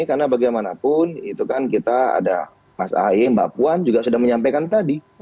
karena bagaimanapun itu kan kita ada mas ae mbak puan juga sudah menyampaikan tadi